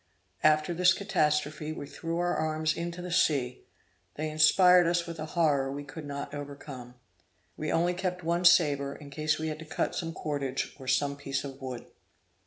After this catastrophe, we threw our arms into the sea; they inspired us with a horror we could not overcome. We only kept one sabre, in case we had to cut some cordage or some piece of wood.